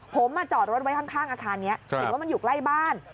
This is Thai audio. ผมจอดรถไว้ข้างอาคารนี้เห็นว่ามันอยู่ใกล้บ้าน